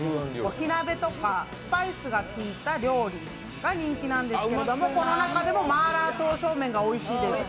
火鍋とかスパイスが効いた料理が人気なんですけどこの中でもマーラー刀削麺がおいしいです。